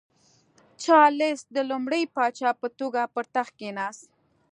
چارلېس د لومړي پاچا په توګه پر تخت کېناست.